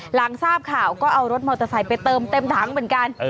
หลังทราบข่าวก็เอารถมอเตอร์ไซค์ไปเติมเต็มถังเหมือนกัน